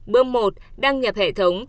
bước một đăng nhập hệ thống